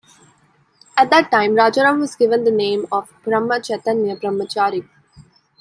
At that time, Rajaram was given the name of Brahma Chaitanya Brahmachari.